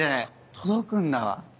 届くんだわ。